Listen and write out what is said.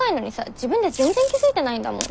自分で全然気付いてないんだもん。